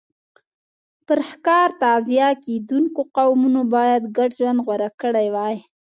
پر ښکار تغذیه کېدونکو قومونو باید ګډ ژوند غوره کړی وای